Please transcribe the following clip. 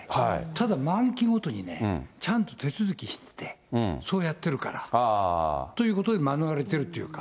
ただ満期ごとにね、ちゃんと手続きしてて、そうやってるからということで免れてるっていうか。